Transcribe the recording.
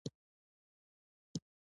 په تېره چې ګټې ضمانت نه وي